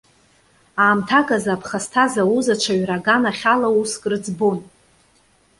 Аамҭак азы аԥхасҭа зауз аҽаҩра аганахь ала уск рыӡбон.